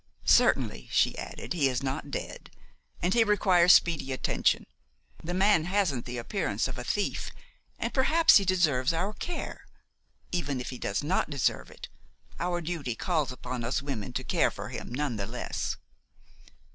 "Certainly," she added, "he is not dead, and he requires speedy attention. The man hasn't the appearance of a thief and perhaps he deserves our care; even if he does not deserve it, our duty calls upon us women to care for him none the less."